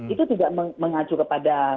itu tidak mengacu kepada